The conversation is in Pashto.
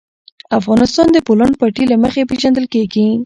افغانستان د د بولان پټي له مخې پېژندل کېږي.